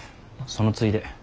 そのついで。